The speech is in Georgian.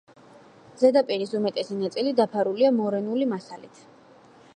ზედაპირის უმეტესი ნაწილი დაფარულია მორენული მასალით.